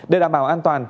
để đảm bảo an toàn